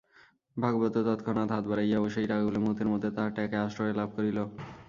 ভাগবত তৎক্ষণাৎ হাত বাড়াইল ও সেই টাকাগুলা মুহূর্তের মধ্যে তাহার ট্যাঁকে আশ্রয় লাভ করিল।